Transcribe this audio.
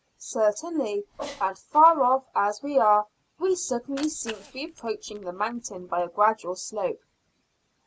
"Certainly, and far off as we are we certainly seem to be approaching the mountain by a gradual slope."